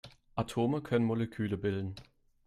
Atome können Moleküle bilden.